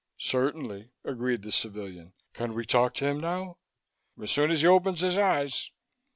"Certainly," agreed the civilian. "Can we talk to him now?" "As soon as he opens his eyes."